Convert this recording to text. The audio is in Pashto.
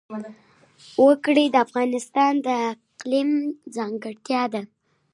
وګړي د افغانستان د اقلیم ځانګړتیا ده.